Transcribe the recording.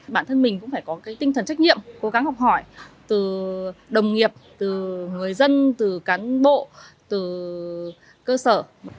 bản thân mình cũng phải có tinh thần trách nhiệm cố gắng học hỏi từ đồng nghiệp từ người dân từ cán bộ từ cơ sở